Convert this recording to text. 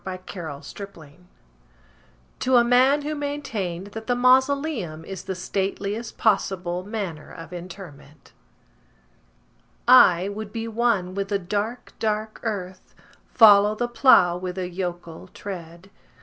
The Traveller heart (To a Man who maintained that the Mausoleum is the Stateliest Possible Manner of Interment) I would be one with the dark, dark earth:— Follow the plough with a yokel tread.